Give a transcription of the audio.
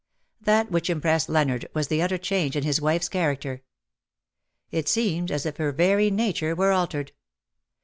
That which impressed Leonard was the utter change in his wife's character. It seemed as if her very nature were altered.